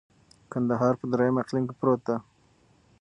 کندهار په دریم اقلیم کي پروت دی.